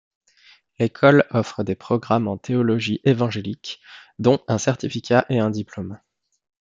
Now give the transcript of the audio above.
L’école offre des programmes en théologie évangélique, dont un certificat et un diplôme.